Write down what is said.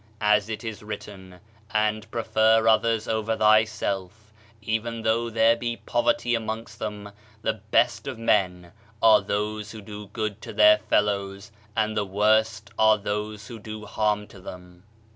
As it is written, "And prefer others over thyself, even though there be poverty amongst them; the best of men are those who do good to their fellows, and the worst are those who do harm to them."